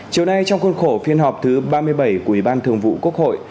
chiều nay trong khuôn khổ phiên họp thứ ba mươi bảy của ủy ban thường vụ quốc hội